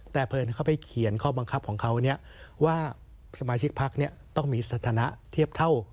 แต่เผอิญภักดิ์เข้าไปเขียนข้อบังคับของเขาเนี่ยว่าสมาชิกภักดิ์เนี่ยต้องมีสถานะเทียบเท่า